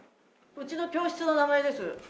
うちの教室の名前です。